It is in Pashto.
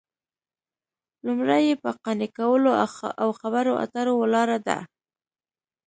لومړۍ یې په قانع کولو او خبرو اترو ولاړه ده